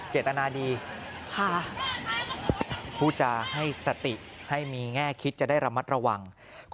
เจตนาดีผู้จาให้สติให้มีแง่คิดจะได้ระมัดระวัง